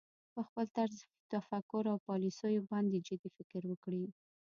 په خپل طرز تفکر او پالیسیو باندې جدي فکر وکړي